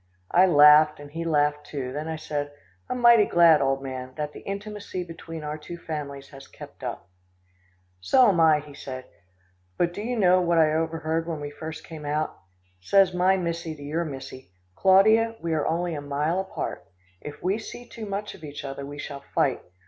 I laughed, and he laughed too; then I said, "I'm mighty glad, old man, that the intimacy between our two families has kept up." "So am I," said he, "but do you know what I overheard when we first came out? Says my missie to your missie, 'Claudia, we are only a mile apart. If we see too much of each other, we shall fight.